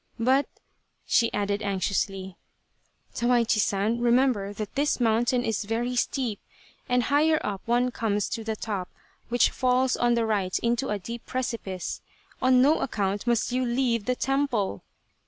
But," she added anxiously, " Sawaichi San, remember that this mountain is very steep, and higher up one comes to the top, which falls on the right into a deep precipice. On no account must you leave the temple